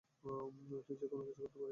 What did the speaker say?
তুই যেকোনো কিছু করতে পারিস।